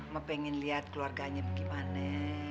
mpengen liat keluarganya gimane